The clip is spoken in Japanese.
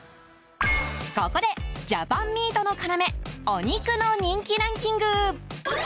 ここでジャパンミートの要お肉の人気ランキング。